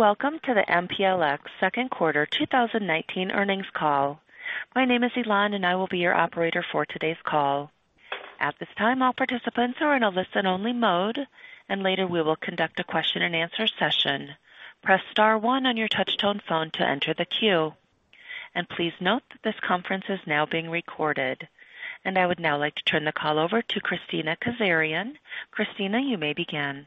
Welcome to the MPLX second quarter 2019 earnings call. My name is Elan. I will be your operator for today's call. At this time, all participants are in a listen-only mode. Later we will conduct a question and answer session. Press star one on your touch-tone phone to enter the queue. Please note that this conference is now being recorded. I would now like to turn the call over to Kristina Kazarian. Kristina, you may begin.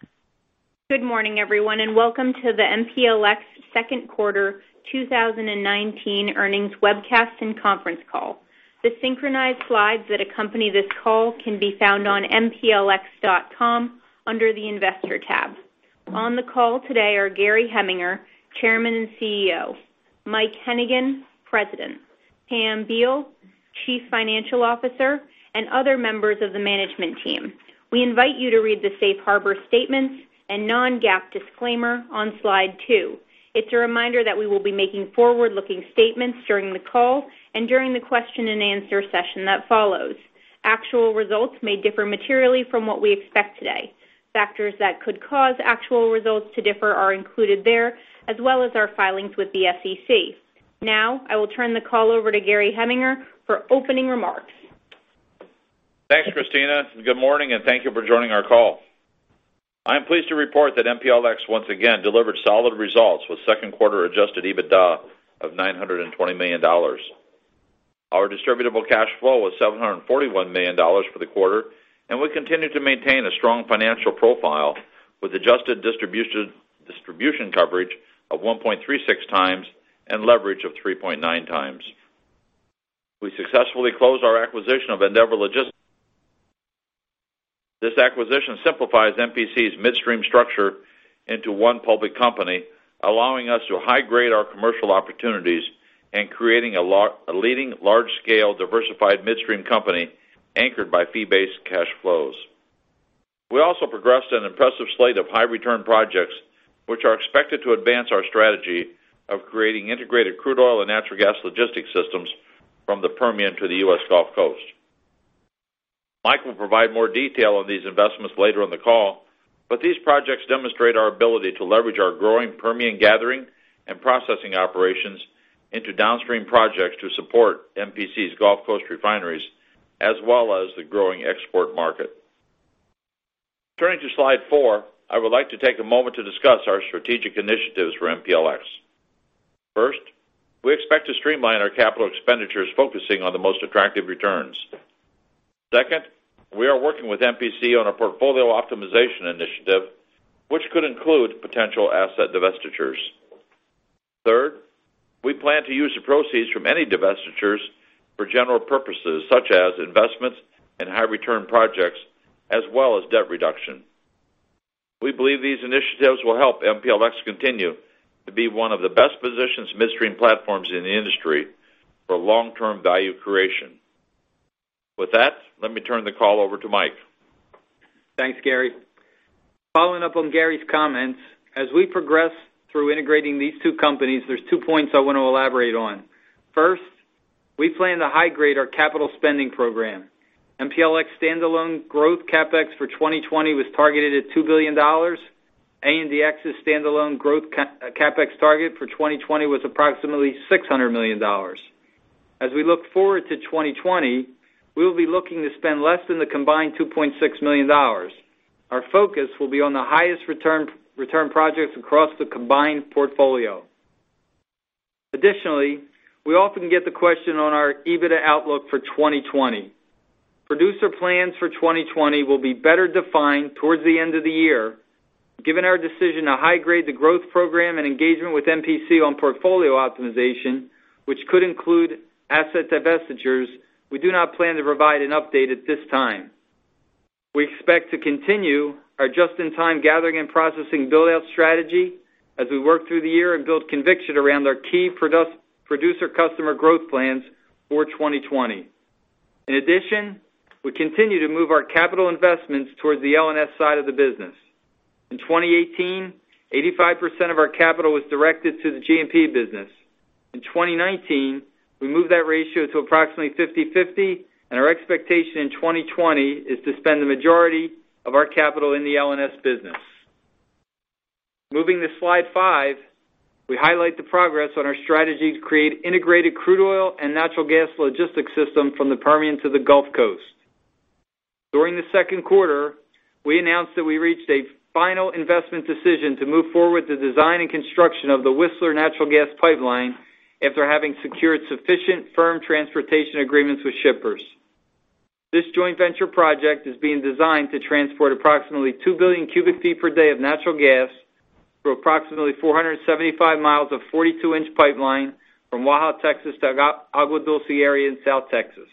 Good morning, everyone, and welcome to the MPLX second quarter 2019 earnings webcast and conference call. The synchronized slides that accompany this call can be found on mplx.com under the Investor tab. On the call today are Gary Heminger, Chairman and CEO, Mike Hennigan, President, Pamela Beall, Chief Financial Officer, and other members of the management team. We invite you to read the safe harbor statements and non-GAAP disclaimer on slide two. It's a reminder that we will be making forward-looking statements during the call and during the question and answer session that follows. Actual results may differ materially from what we expect today. Factors that could cause actual results to differ are included there, as well as our filings with the SEC. Now, I will turn the call over to Gary Heminger for opening remarks. Thanks, Kristina. Good morning, and thank you for joining our call. I am pleased to report that MPLX once again delivered solid results with second quarter adjusted EBITDA of $920 million. Our distributable cash flow was $741 million for the quarter, and we continue to maintain a strong financial profile with adjusted distribution coverage of 1.36 times and leverage of 3.9 times. We successfully closed our acquisition of Andeavor Logistics. This acquisition simplifies MPC's midstream structure into one public company, allowing us to high-grade our commercial opportunities and creating a leading large-scale diversified midstream company anchored by fee-based cash flows. We also progressed an impressive slate of high-return projects, which are expected to advance our strategy of creating integrated crude oil and natural gas logistics systems from the Permian to the U.S. Gulf Coast. Mike will provide more detail on these investments later in the call, but these projects demonstrate our ability to leverage our growing Permian gathering and processing operations into downstream projects to support MPC's Gulf Coast refineries, as well as the growing export market. Turning to slide four, I would like to take a moment to discuss our strategic initiatives for MPLX. First, we expect to streamline our CapEx, focusing on the most attractive returns. Second, we are working with MPC on a portfolio optimization initiative, which could include potential asset divestitures. Third, we plan to use the proceeds from any divestitures for general purposes, such as investments in high-return projects, as well as debt reduction. We believe these initiatives will help MPLX continue to be one of the best-positioned midstream platforms in the industry for long-term value creation. With that, let me turn the call over to Mike. Thanks, Gary. Following up on Gary's comments, as we progress through integrating these two companies, there's two points I want to elaborate on. First, we plan to high-grade our capital spending program. MPLX standalone growth CapEx for 2020 was targeted at $2 billion. ANDX's standalone growth CapEx target for 2020 was approximately $600 million. As we look forward to 2020, we'll be looking to spend less than the combined $2.6 million. Our focus will be on the highest return projects across the combined portfolio. Additionally, we often get the question on our EBITDA outlook for 2020. Producer plans for 2020 will be better defined towards the end of the year. Given our decision to high-grade the growth program and engagement with MPC on portfolio optimization, which could include asset divestitures, we do not plan to provide an update at this time. We expect to continue our just-in-time gathering and processing build-out strategy as we work through the year and build conviction around our key producer customer growth plans for 2020. We continue to move our capital investments towards the LNS side of the business. In 2018, 85% of our capital was directed to the GMP business. In 2019, we moved that ratio to approximately 50/50, and our expectation in 2020 is to spend the majority of our capital in the LNS business. Moving to slide five, we highlight the progress on our strategy to create integrated crude oil and natural gas logistics system from the Permian to the Gulf Coast. During the second quarter, we announced that we reached a final investment decision to move forward with the design and construction of the Whistler Natural Gas Pipeline after having secured sufficient firm transportation agreements with shippers. This joint venture project is being designed to transport approximately 2 billion cubic feet per day of natural gas for approximately 475 miles of 42-inch pipeline from Waha, Texas, to Agua Dulce area in South Texas.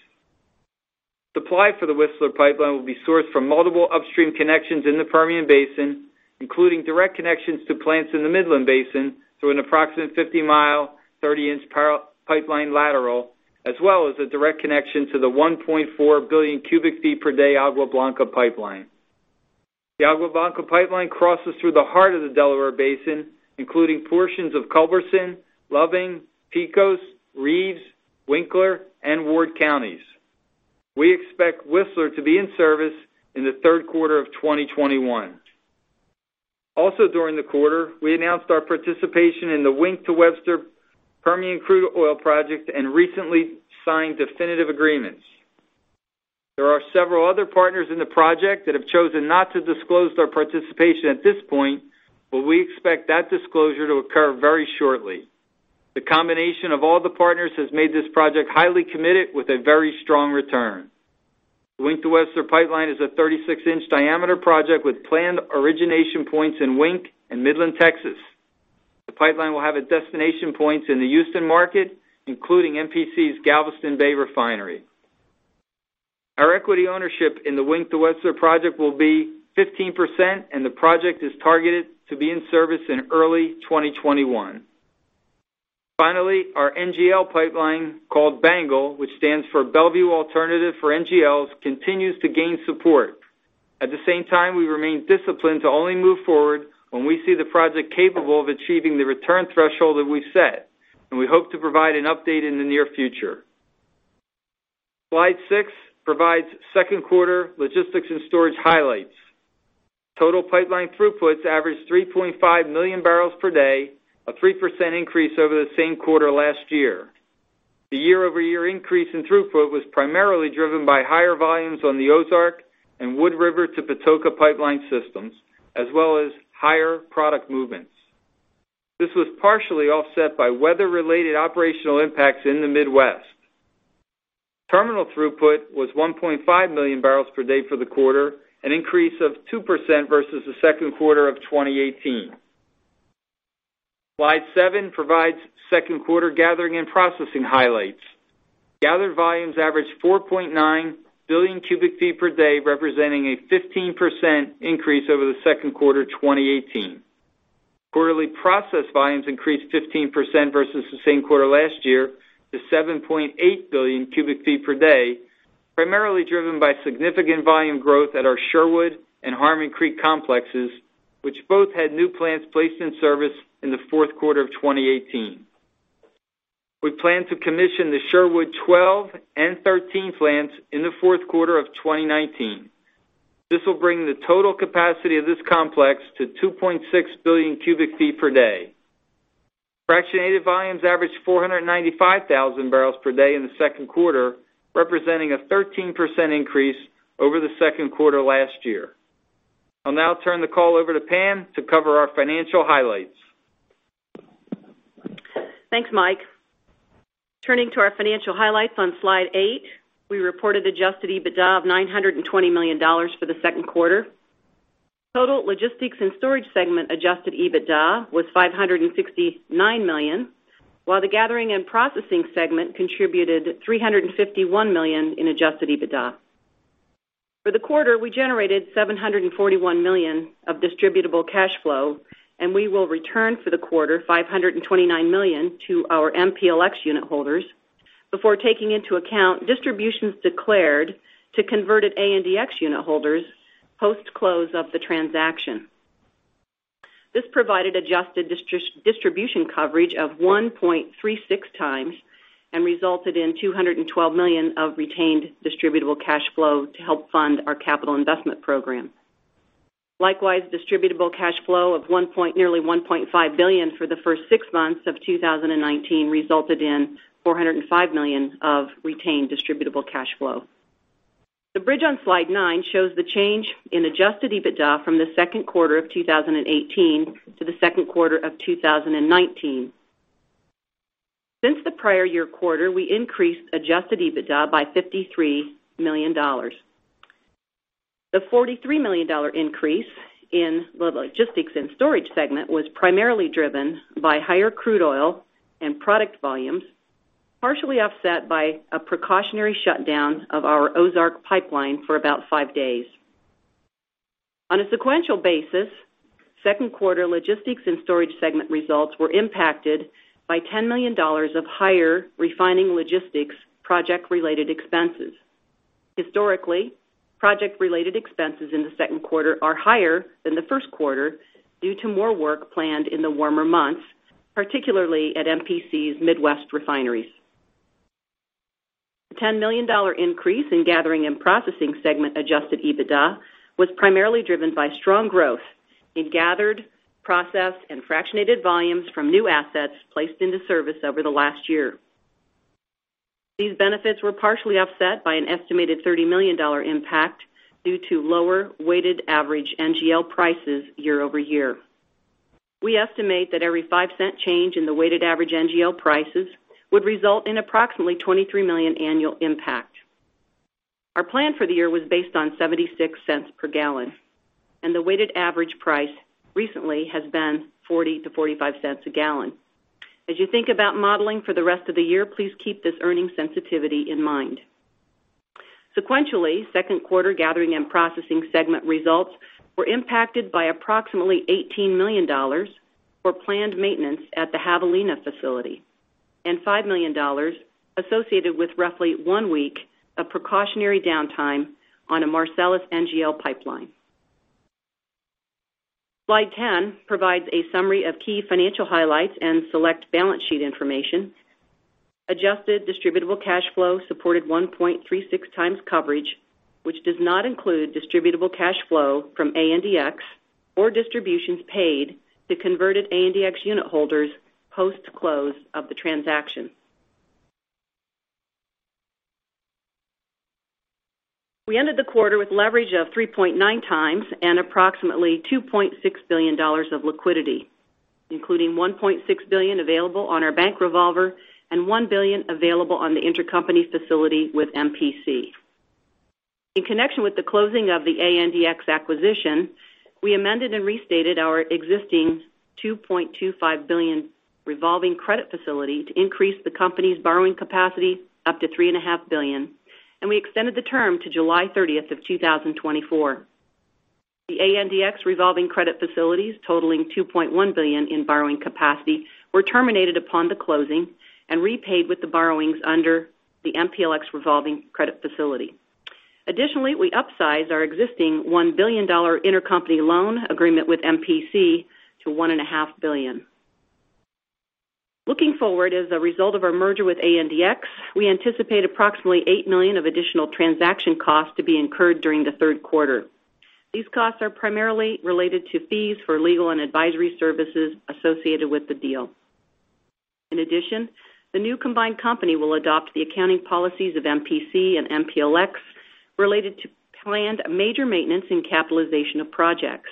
Supply for the Whistler Pipeline will be sourced from multiple upstream connections in the Permian Basin, including direct connections to plants in the Midland Basin through an approximate 50-mile, 30-inch pipeline lateral, as well as a direct connection to the 1.4 billion cubic feet per day Agua Blanca Pipeline. The Agua Blanca Pipeline crosses through the heart of the Delaware Basin, including portions of Culberson, Loving, Pecos, Winkler and Ward counties. We expect Whistler to be in service in the third quarter of 2021. During the quarter, we announced our participation in the Wink to Webster Permian Crude Oil Project and recently signed definitive agreements. There are several other partners in the project that have chosen not to disclose their participation at this point, but we expect that disclosure to occur very shortly. The combination of all the partners has made this project highly committed with a very strong return. The Wink to Webster Pipeline is a 36-inch diameter project with planned origination points in Wink and Midland, Texas. The pipeline will have destination points in the Houston market, including MPC's Galveston Bay refinery. Our equity ownership in the Wink to Webster project will be 15%, and the project is targeted to be in service in early 2021. Finally, our NGL pipeline, called BANGL, which stands for Belvieu Alternative for NGLs, continues to gain support. At the same time, we remain disciplined to only move forward when we see the project capable of achieving the return threshold that we set, and we hope to provide an update in the near future. Slide six provides second quarter logistics and storage highlights. Total pipeline throughputs averaged 3.5 million barrels per day, a 3% increase over the same quarter last year. The year-over-year increase in throughput was primarily driven by higher volumes on the Ozark and Wood River-to-Patoka pipeline systems, as well as higher product movements. This was partially offset by weather-related operational impacts in the Midwest. Terminal throughput was 1.5 million barrels per day for the quarter, an increase of 2% versus the second quarter of 2018. Slide seven provides second quarter gathering and processing highlights. Gathered volumes averaged 4.9 billion cubic feet per day, representing a 15% increase over the second quarter 2018. Quarterly processed volumes increased 15% versus the same quarter last year to 7.8 billion cubic feet per day, primarily driven by significant volume growth at our Sherwood and Harmon Creek complexes, which both had new plants placed in service in the fourth quarter of 2018. We plan to commission the Sherwood 12 and 13 plants in the fourth quarter of 2019. This will bring the total capacity of this complex to 2.6 billion cubic feet per day. Fractionated volumes averaged 495,000 barrels per day in the second quarter, representing a 13% increase over the second quarter last year. I'll now turn the call over to Pam to cover our financial highlights. Thanks, Mike. Turning to our financial highlights on slide eight, we reported adjusted EBITDA of $920 million for the second quarter. Total logistics and storage segment adjusted EBITDA was $569 million, while the gathering and processing segment contributed $351 million in adjusted EBITDA. For the quarter, we generated $741 million of distributable cash flow, and we will return for the quarter $529 million to our MPLX unit holders before taking into account distributions declared to converted ANDX unit holders post-close of the transaction. This provided adjusted distribution coverage of 1.36 times and resulted in $212 million of retained distributable cash flow to help fund our capital investment program. Likewise, distributable cash flow of nearly $1.5 billion for the first six months of 2019 resulted in $405 million of retained distributable cash flow. The bridge on slide nine shows the change in adjusted EBITDA from the second quarter of 2018 to the second quarter of 2019. Since the prior year quarter, we increased adjusted EBITDA by $53 million. The $43 million increase in the logistics and storage segment was primarily driven by higher crude oil and product volumes, partially offset by a precautionary shutdown of our Ozark Pipeline for about five days. On a sequential basis, second quarter logistics and storage segment results were impacted by $10 million of higher refining logistics project-related expenses. Historically, project-related expenses in the second quarter are higher than the first quarter due to more work planned in the warmer months, particularly at MPC's Midwest refineries. The $10 million increase in gathering and processing segment adjusted EBITDA was primarily driven by strong growth in gathered, processed, and fractionated volumes from new assets placed into service over the last year. These benefits were partially offset by an estimated $30 million impact due to lower weighted average NGL prices year-over-year. We estimate that every $0.05 change in the weighted average NGL prices would result in approximately $23 million annual impact. Our plan for the year was based on $0.76 per gallon, and the weighted average price recently has been $0.40-$0.45 a gallon. As you think about modeling for the rest of the year, please keep this earning sensitivity in mind. Sequentially, second quarter gathering and processing segment results were impacted by $18 million for planned maintenance at the Javelina facility and $5 million associated with roughly one week of precautionary downtime on a Marcellus NGL pipeline. Slide 10 provides a summary of key financial highlights and select balance sheet information. Adjusted distributable cash flow supported 1.36 times coverage, which does not include distributable cash flow from ANDX or distributions paid to converted ANDX unit holders post-close of the transaction. We ended the quarter with leverage of 3.9 times and $2.6 billion of liquidity, including $1.6 billion available on our bank revolver and $1 billion available on the intercompany's facility with MPC. In connection with the closing of the ANDX acquisition, we amended and restated our existing $2.25 billion revolving credit facility to increase the company's borrowing capacity up to $3.5 billion, and we extended the term to July 30, 2024. The ANDX revolving credit facilities totaling $2.1 billion in borrowing capacity were terminated upon the closing and repaid with the borrowings under the MPLX revolving credit facility. Additionally, we upsized our existing $1 billion intercompany loan agreement with MPC to $1.5 billion. Looking forward, as a result of our merger with ANDX, we anticipate approximately $8 million of additional transaction costs to be incurred during the third quarter. These costs are primarily related to fees for legal and advisory services associated with the deal. In addition, the new combined company will adopt the accounting policies of MPC and MPLX related to planned major maintenance and capitalization of projects.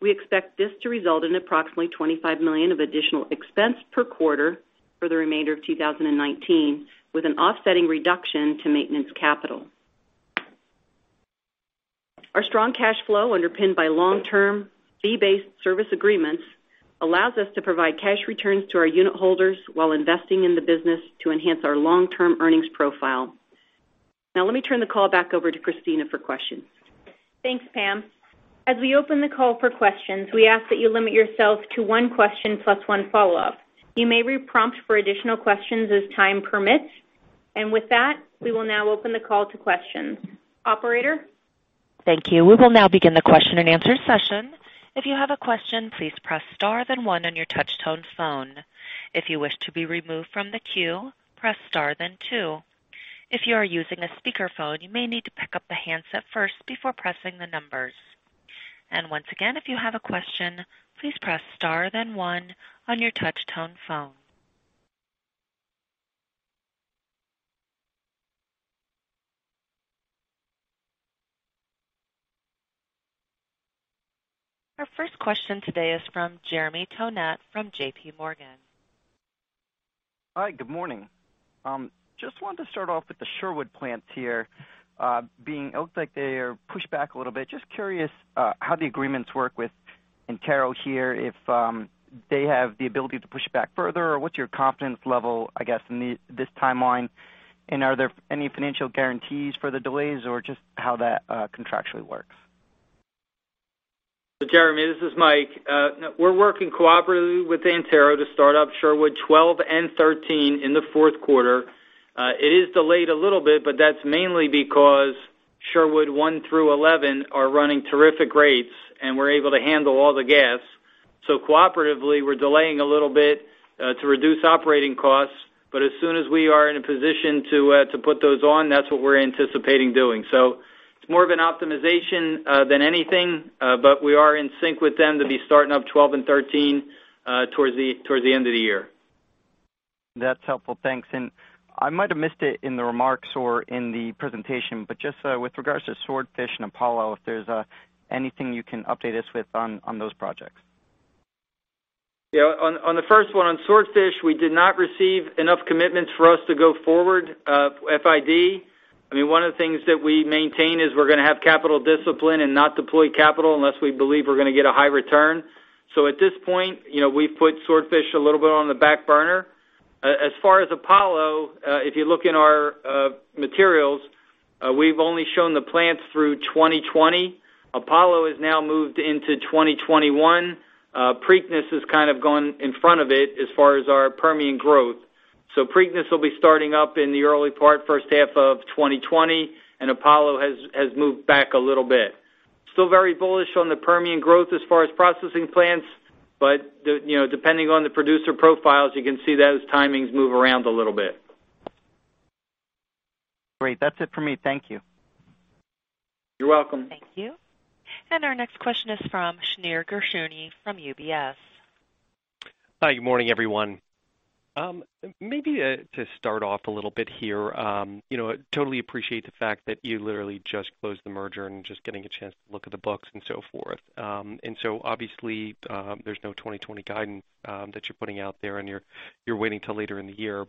We expect this to result in approximately $25 million of additional expense per quarter for the remainder of 2019, with an offsetting reduction to maintenance CapEx. Our strong cash flow underpinned by long-term fee-based service agreements allows us to provide cash returns to our unit holders while investing in the business to enhance our long-term earnings profile. Let me turn the call back over to Kristina for questions. Thanks, Pam. As we open the call for questions, we ask that you limit yourself to one question plus one follow-up. You may be prompted for additional questions as time permits. With that, we will now open the call to questions. Operator? Thank you. We will now begin the question and answer session. If you have a question, please press star then one on your touch tone phone. If you wish to be removed from the queue, press star then two. If you are using a speakerphone, you may need to pick up the handset first before pressing the numbers. Once again, if you have a question, please press star then one on your touch tone phone. Our first question today is from Jeremy Tonet from J.P. Morgan. Hi, good morning. Just wanted to start off with the Sherwood plants here. It looks like they are pushed back a little bit. Just curious how the agreements work with Antero here, if they have the ability to push it back further, or what's your confidence level, I guess, in this timeline? And are there any financial guarantees for the delays or just how that contractually works? Jeremy, this is Mike. We're working cooperatively with Antero to start up Sherwood 12 and 13 in the fourth quarter. It is delayed a little bit, but that's mainly because Sherwood one through 11 are running terrific rates, and we're able to handle all the gas. Cooperatively, we're delaying a little bit to reduce operating costs. As soon as we are in a position to put those on, that's what we're anticipating doing. It's more of an optimization than anything, but we are in sync with them to be starting up 12 and 13 towards the end of the year. That's helpful. Thanks. I might have missed it in the remarks or in the presentation, but just with regards to Swordfish and Apollo, if there's anything you can update us with on those projects? On the first one, on Swordfish, we did not receive enough commitments for us to go forward FID. One of the things that we maintain is we're going to have capital discipline and not deploy capital unless we believe we're going to get a high return. At this point, we've put Swordfish a little bit on the back burner. As far as Apollo, if you look in our materials, we've only shown the plants through 2020. Apollo has now moved into 2021. Preakness has kind of gone in front of it as far as our Permian growth. Preakness will be starting up in the early part, first half of 2020, and Apollo has moved back a little bit. Still very bullish on the Permian growth as far as processing plants, depending on the producer profiles, you can see those timings move around a little bit. Great. That's it for me. Thank you. You're welcome. Thank you. Our next question is from Shneur Gershuni from UBS. Hi, good morning, everyone. Maybe to start off a little bit here. Totally appreciate the fact that you literally just closed the merger and just getting a chance to look at the books and so forth. Obviously, there's no 2020 guidance that you're putting out there, and you're waiting till later in the year.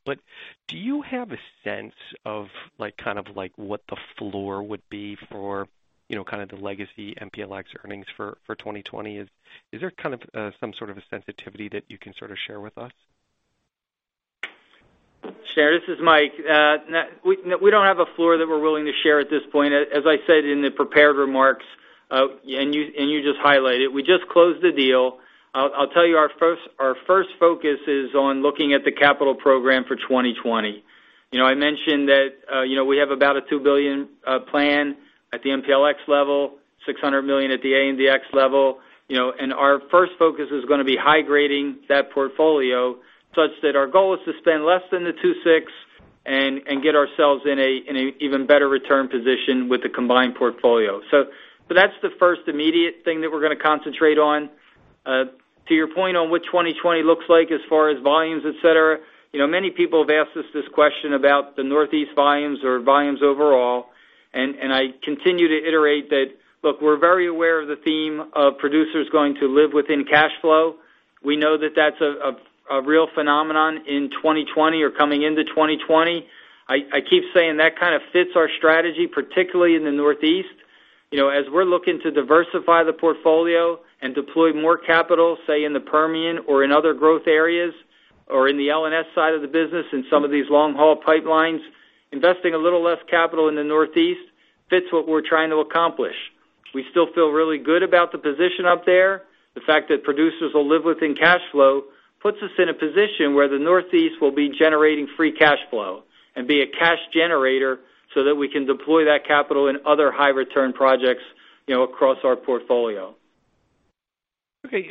Do you have a sense of what the floor would be for kind of the legacy MPLX earnings for 2020? Is there some sort of a sensitivity that you can sort of share with us? Shneur, this is Mike. We don't have a floor that we're willing to share at this point. As I said in the prepared remarks, you just highlighted, we just closed the deal. I'll tell you our first Our first focus is on looking at the capital program for 2020. I mentioned that we have about a $2 billion plan at the MPLX level, $600 million at the ANDX level. Our first focus is going to be high-grading that portfolio such that our goal is to spend less than the $2.6 billion and get ourselves in an even better return position with the combined portfolio. That's the first immediate thing that we're going to concentrate on. To your point on what 2020 looks like as far as volumes, et cetera. Many people have asked us this question about the Northeast volumes or volumes overall, and I continue to iterate that, look, we're very aware of the theme of producers going to live within cash flow. We know that that's a real phenomenon in 2020 or coming into 2020. I keep saying that kind of fits our strategy, particularly in the Northeast, as we're looking to diversify the portfolio and deploy more capital, say, in the Permian or in other growth areas, or in the LNS side of the business in some of these long-haul pipelines. Investing a little less capital in the Northeast fits what we're trying to accomplish. We still feel really good about the position up there. The fact that producers will live within cash flow puts us in a position where the Northeast will be generating free cash flow and be a cash generator so that we can deploy that capital in other high-return projects across our portfolio. Okay.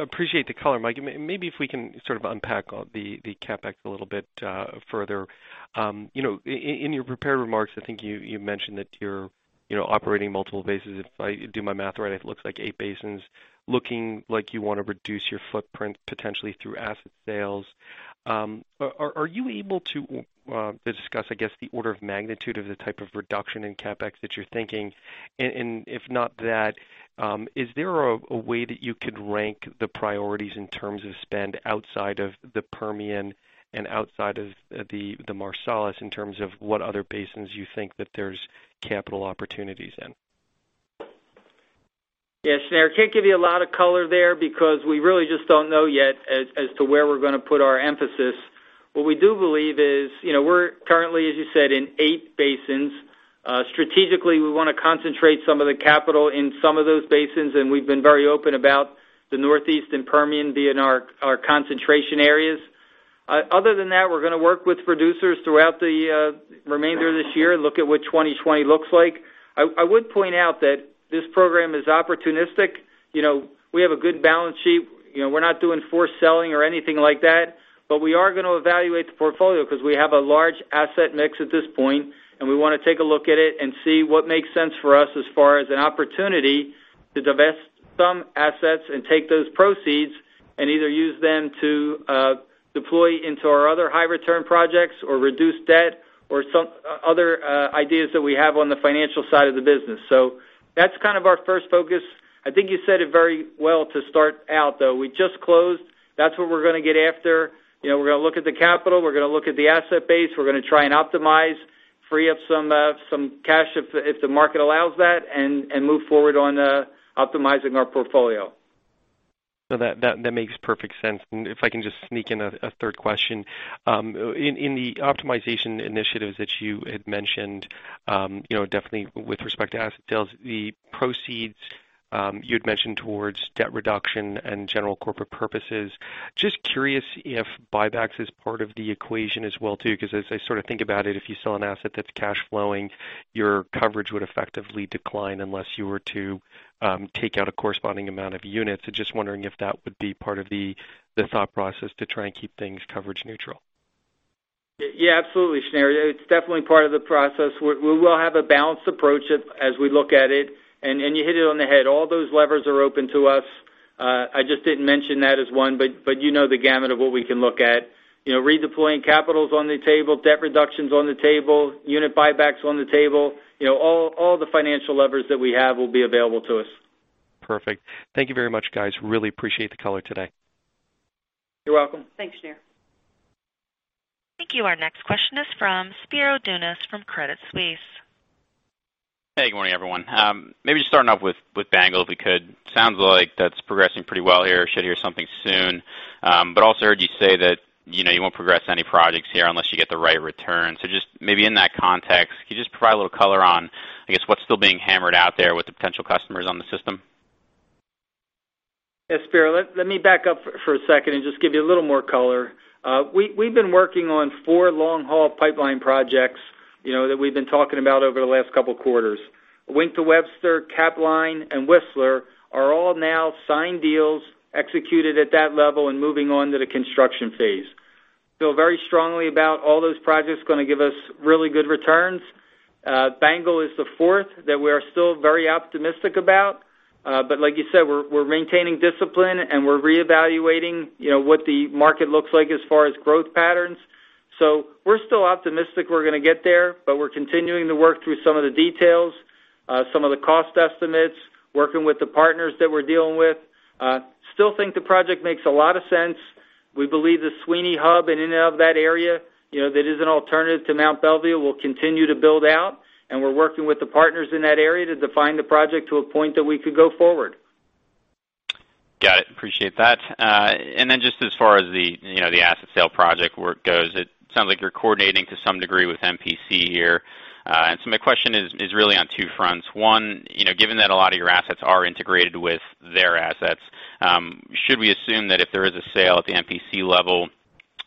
Appreciate the color, Mike. Maybe if we can sort of unpack the CapEx a little bit further. In your prepared remarks, I think you mentioned that you're operating multiple basins. If I do my math right, it looks like eight basins. Looking like you want to reduce your footprint potentially through asset sales. Are you able to discuss, I guess, the order of magnitude of the type of reduction in CapEx that you're thinking? If not that, is there a way that you could rank the priorities in terms of spend outside of the Permian and outside of the Marcellus in terms of what other basins you think that there's capital opportunities in? Shneur, can't give you a lot of color there because we really just don't know yet as to where we're going to put our emphasis. What we do believe is we're currently, as you said, in eight basins. Strategically, we want to concentrate some of the capital in some of those basins, we've been very open about the Northeast and Permian being our concentration areas. Other than that, we're going to work with producers throughout the remainder of this year and look at what 2020 looks like. I would point out that this program is opportunistic. We have a good balance sheet. We're not doing forced selling or anything like that, but we are going to evaluate the portfolio because we have a large asset mix at this point, and we want to take a look at it and see what makes sense for us as far as an opportunity to divest some assets and take those proceeds and either use them to deploy into our other high-return projects or reduce debt or other ideas that we have on the financial side of the business. That's kind of our first focus. I think you said it very well to start out, though. We just closed. That's what we're going to get after. We're going to look at the capital. We're going to look at the asset base. We're going to try and optimize, free up some cash if the market allows that, and move forward on optimizing our portfolio. No, that makes perfect sense. If I can just sneak in a third question? In the optimization initiatives that you had mentioned, definitely with respect to asset sales, the proceeds you had mentioned towards debt reduction and general corporate purposes. Just curious if buybacks is part of the equation as well too, because as I sort of think about it, if you sell an asset that's cash flowing, your coverage would effectively decline unless you were to take out a corresponding amount of units. Just wondering if that would be part of the thought process to try and keep things coverage neutral? Yeah, absolutely, Shneur. It's definitely part of the process. We will have a balanced approach as we look at it. You hit it on the head. All those levers are open to us. I just didn't mention that as one, but you know the gamut of what we can look at. Redeploying capital is on the table, debt reduction's on the table, unit buybacks on the table. All the financial levers that we have will be available to us. Perfect. Thank you very much, guys. Really appreciate the color today. You're welcome. Thanks, Shneur. Thank you. Our next question is from Spiro Dounis from Credit Suisse. Hey, good morning, everyone. Maybe just starting off with BANGL, if we could. Sounds like that's progressing pretty well here. Should hear something soon. Also heard you say that you won't progress any projects here unless you get the right return. Just maybe in that context, can you just provide a little color on, I guess, what's still being hammered out there with the potential customers on the system? Yeah, Spiro, let me back up for a second and just give you a little more color. We've been working on four long-haul pipeline projects that we've been talking about over the last couple of quarters. Wink to Webster, Capline, and Whistler are all now signed deals executed at that level and moving on to the construction phase. Feel very strongly about all those projects, going to give us really good returns. BANGL is the fourth that we are still very optimistic about. Like you said, we're maintaining discipline, and we're reevaluating what the market looks like as far as growth patterns. We're still optimistic we're going to get there, but we're continuing to work through some of the details, some of the cost estimates, working with the partners that we're dealing with. Still think the project makes a lot of sense. We believe the Sweeny Hub and in and of that area that is an alternative to Mont Belvieu will continue to build out, and we're working with the partners in that area to define the project to a point that we could go forward. Got it. Appreciate that. Just as far as the asset sale project work goes, it sounds like you're coordinating to some degree with MPC here. My question is really on two fronts. One, given that a lot of your assets are integrated with their assets, should we assume that if there is a sale at the MPC level,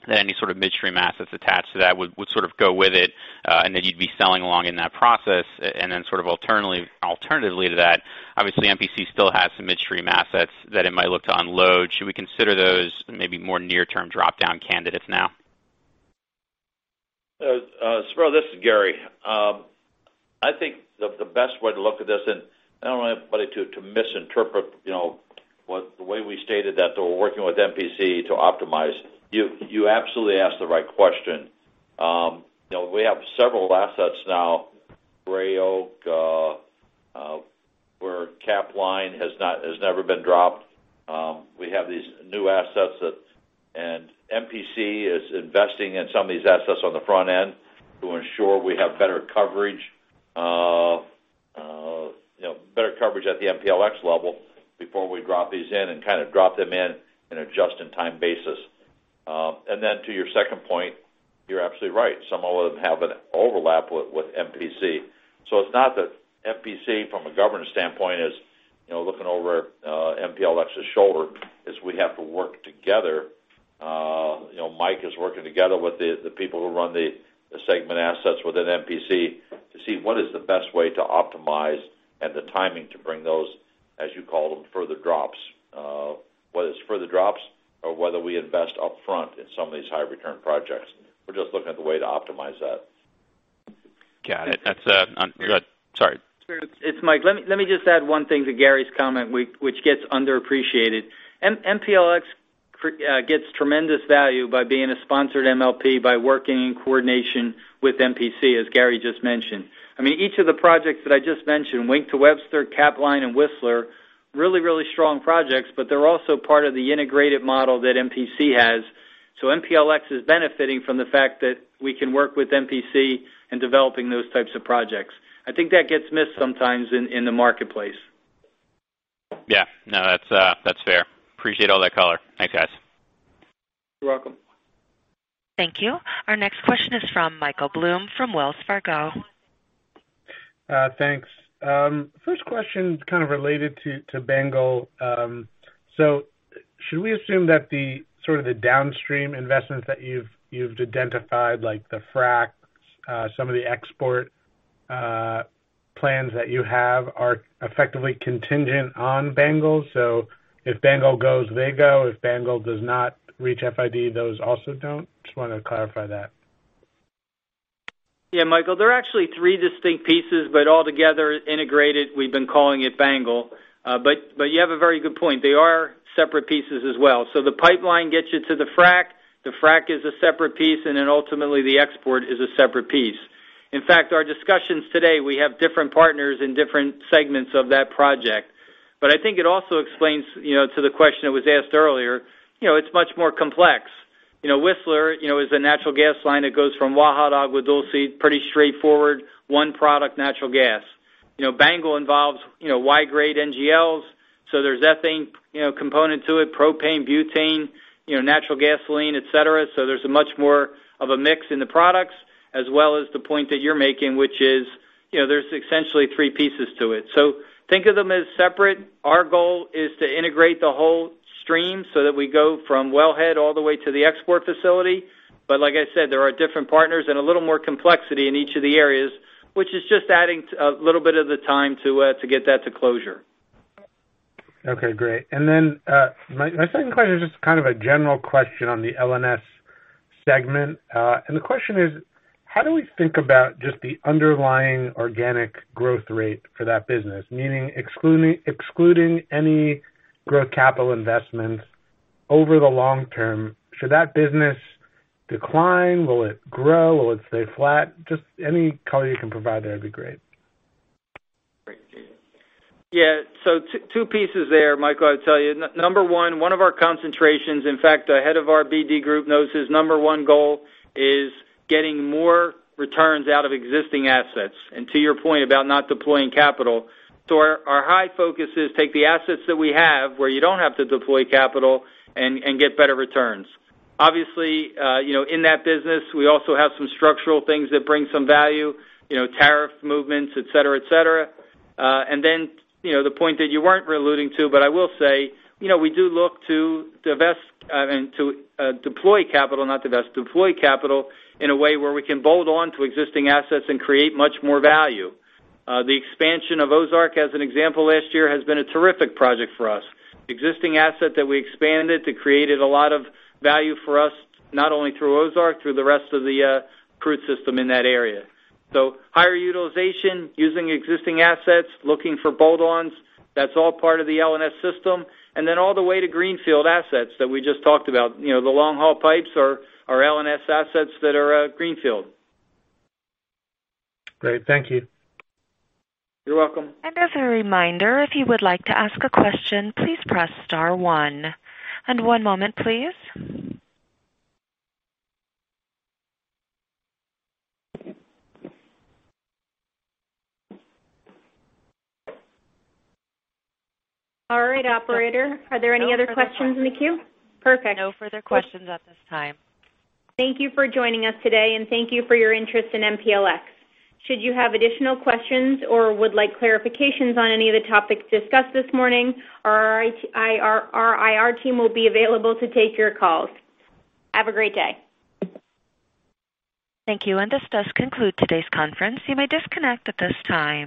then any sort of midstream assets attached to that would sort of go with it, and then you'd be selling along in that process. Sort of alternatively to that, obviously MPC still has some midstream assets that it might look to unload. Should we consider those maybe more near-term drop-down candidates now? Spiro, this is Gary. I think the best way to look at this, I don't want anybody to misinterpret the way we stated that we're working with MPC to optimize. You absolutely asked the right question. We have several assets now, Gray Oak, where Capline has never been dropped. We have these new assets, MPC is investing in some of these assets on the front end to ensure we have better coverage at the MPLX level before we drop these in, kind of drop them in a just-in-time basis. To your second point, you're absolutely right. Some of them have an overlap with MPC. It's not that MPC, from a governance standpoint, is looking over MPLX's shoulder, as we have to work together. Mike is working together with the people who run the segment assets within MPC to see what is the best way to optimize and the timing to bring those, as you call them, further drops. Whether it's further drops or whether we invest upfront in some of these high-return projects. We're just looking at the way to optimize that. Got it. Go ahead, sorry. It's Mike. Let me just add one thing to Gary's comment, which gets underappreciated. MPLX gets tremendous value by being a sponsored MLP by working in coordination with MPC, as Gary just mentioned. Each of the projects that I just mentioned, Wink to Webster, Capline, and Whistler, really strong projects, but they're also part of the integrated model that MPC has. MPLX is benefiting from the fact that we can work with MPC in developing those types of projects. I think that gets missed sometimes in the marketplace. Yeah. No, that's fair. Appreciate all that color. Thanks, guys. You're welcome. Thank you. Our next question is from Michael Blum from Wells Fargo. Thanks. First question kind of related to BANGL. Should we assume that the downstream investments that you've identified, like the fracs, some of the export plans that you have, are effectively contingent on BANGL? If BANGL goes, they go. If BANGL does not reach FID, those also don't? Just want to clarify that. Yeah, Michael, there are actually three distinct pieces, but all together integrated, we've been calling it BANGL. You have a very good point. They are separate pieces as well. The pipeline gets you to the frac. The frac is a separate piece, ultimately the export is a separate piece. In fact, our discussions today, we have different partners in different segments of that project. I think it also explains to the question that was asked earlier, it's much more complex. Whistler is a natural gas line that goes from Waha to Agua Dulce. Pretty straightforward. One product, natural gas. BANGL involves Y-grade NGLs, there's ethane component to it, propane, butane, natural gasoline, et cetera. There's a much more of a mix in the products as well as the point that you're making, which is, there's essentially three pieces to it. Think of them as separate. Our goal is to integrate the whole stream so that we go from wellhead all the way to the export facility. Like I said, there are different partners and a little more complexity in each of the areas, which is just adding a little bit of the time to get that to closure. Okay, great. My second question is just kind of a general question on the LNS segment. The question is: how do we think about just the underlying organic growth rate for that business? Meaning excluding any growth capital investments over the long term, should that business decline? Will it grow? Will it stay flat? Just any color you can provide there would be great. Two pieces there, Michael, I'd tell you. Number one of our concentrations, in fact, the head of our BD group knows his number one goal is getting more returns out of existing assets. To your point about not deploying capital. Our high focus is take the assets that we have, where you don't have to deploy capital, and get better returns. Obviously, in that business, we also have some structural things that bring some value. Tariff movements, et cetera. Then the point that you weren't alluding to, but I will say, we do look to deploy capital in a way where we can bolt on to existing assets and create much more value. The expansion of Ozark, as an example last year, has been a terrific project for us. Existing asset that we expanded to create a lot of value for us, not only through Ozark, through the rest of the crude system in that area. Higher utilization using existing assets, looking for bolt-ons, that's all part of the LNS system. All the way to greenfield assets that we just talked about. The long-haul pipes are LNS assets that are greenfield. Great. Thank you. You're welcome. As a reminder, if you would like to ask a question, please press star one. One moment, please. All right, Operator. Are there any other questions in the queue? Perfect. No further questions at this time. Thank you for joining us today, and thank you for your interest in MPLX. Should you have additional questions or would like clarifications on any of the topics discussed this morning, our IR team will be available to take your calls. Have a great day. Thank you. This does conclude today's conference. You may disconnect at this time.